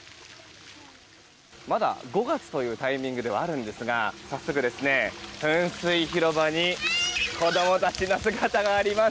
まだ５月というタイミングではあるんですが早速、噴水広場に子供たちの姿があります。